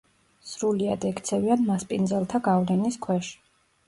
სრულიად ექცევიან მასპინძელთა გავლენის ქვეშ.